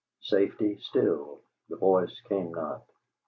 '" Safety still; the voice came not.